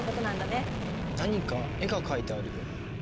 何か絵が描いてあるよ。